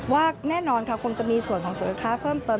ว่าแน่นอนค่ะคงจะมีส่วนของสินค้าเพิ่มเติม